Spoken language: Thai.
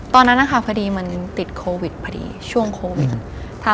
ตอนนั้นนะคะพอดีมันติดโควิดพอดีช่วงโควิด